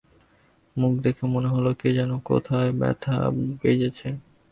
মুখ দেখে মনে হল যেন কোথায় ব্যথা বেজেছে।